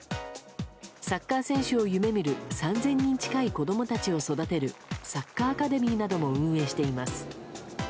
サッカー選手を夢見る３０００人近い子供たちを育てるサッカーアカデミーなども運営しています。